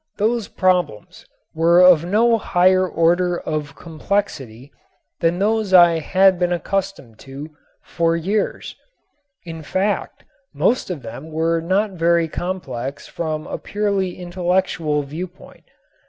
Those problems were of no higher order of complexity than those I had been accustomed to for years, in fact, most of them were not very complex from a purely intellectual viewpoint.